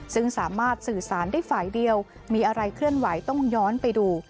ซึ่งสามารถสื่อสารได้ฝ่ายเดียวมีอะไรเคลื่อนไหวต้องย้อนไปดู